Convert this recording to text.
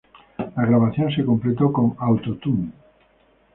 La grabación se completó con Auto-Tune.